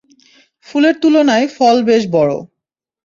ফুলের তুলনায় ফল বেশ বড়।